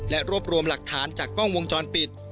และรวบรวมหลักฐานจากกล้องวงจรปิด